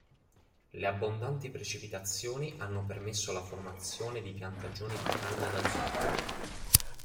Le abbondanti precipitazioni hanno permesso la formazione di piantagioni di canna da zucchero.